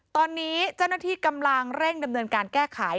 ตอนนี้เจ้าหน้าที่กำลังเร่งดำเนินการแก้ไข